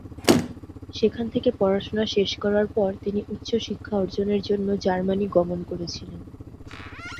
সেখান থেকে পড়াশোনা শেষ করার পর তিনি উচ্চ শিক্ষা অর্জনের জন্য জার্মানি গমন করেছিলেন।